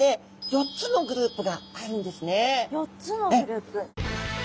４つのグループ。